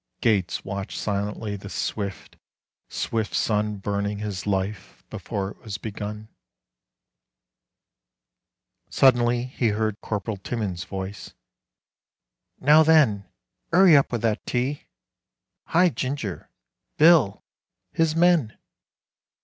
Gates watched silently the swift, swift sun Burning his life before it was begun.... Suddenly he heard Corporal Timmins' voice: "Now then, 'Urry up with that tea." "Hi Ginger!" "Bill!" His men!